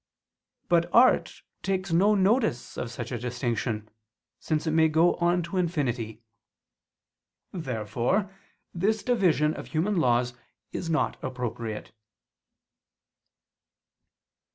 But art takes no notice of such a distinction: since it may go on to infinity. Therefore this division of human laws is not appropriate.